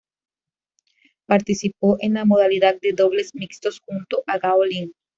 Participó en la modalidad de Dobles Mixtos junto a Gao Ling.